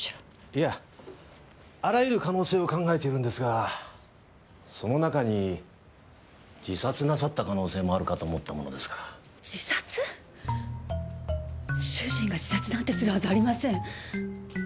いやあらゆる可能性を考えているんですがその中に自殺なさった可能性もあるかと思ったものですから自殺⁉主人が自殺なんてするはずありません